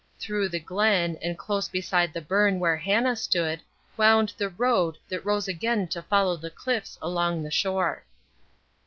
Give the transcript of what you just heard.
Through the Glen, and close beside the burn where Hannah stood, wound the road that rose again to follow the cliffs along the shore.